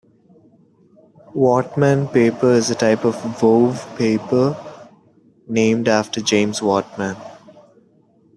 Whatman paper is a type of wove paper named after James Whatman.